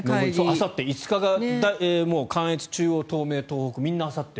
あさって５日が関越、中央、東名、東北みんなあさって。